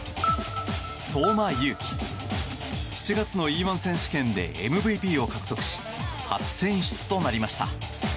相馬勇紀、７月のＥ‐１選手権でＭＶＰを獲得し初選出となりました。